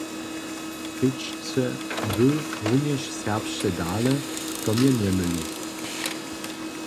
Rěčće Wy runjež serbsce dale, to mje njemyli.